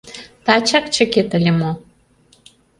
— Тачак чыкет ыле мо?